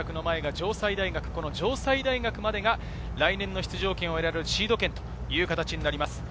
城西大学までが来年の出場権を得られるシードという形になります。